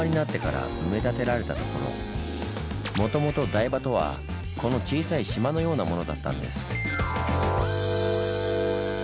もともと台場とはこの小さい島のようなものだったんです。